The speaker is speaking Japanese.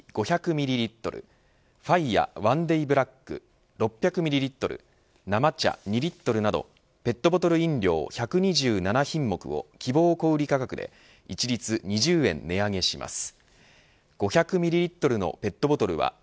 ミリリットルファイアワンデイブラック６００ミリリットル生茶２リットルなどペットボトル飲料１２７品目を希望小売価格で一律２０円値上げします。